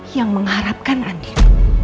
yang mengharapkan anil